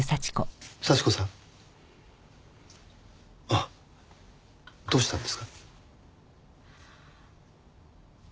あっどうしたんですか？